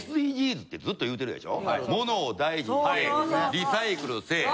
「リサイクルせえ」。